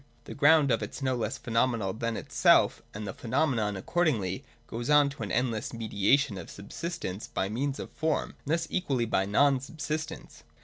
This ground of its is no less phenomenal than itself, and the phenomenon accordingly goes on to an endless me diation of subsistence by means of form, and thus equally by non subsistence.